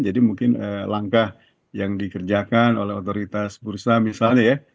jadi mungkin langkah yang dikerjakan oleh otoritas bursa misalnya ya